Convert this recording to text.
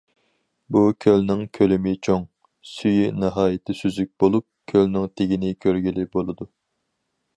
بۇ كۆلنىڭ كۆلىمى چوڭ، سۈيى ناھايىتى سۈزۈك بولۇپ، كۆلنىڭ تېگىنى كۆرگىلى بولىدۇ.